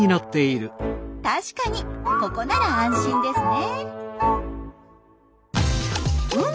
確かにここなら安心ですね。